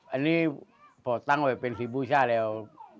อันนี้พอตั้งไว้เป็นสีบูชาแล้ว